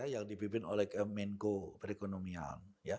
yang dipimpin oleh menko perekonomian